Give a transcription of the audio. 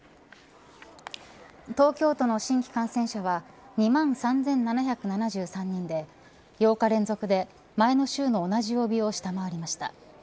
東京都の新規感染者は２万３７７３人で８日連続で前の週の同じ曜日を下回りました。